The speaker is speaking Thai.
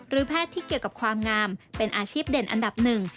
แพทย์ที่เกี่ยวกับความงามเป็นอาชีพเด่นอันดับหนึ่ง